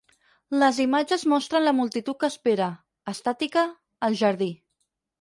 Les imatges mostren la multitud que espera, estàtica, al jardí.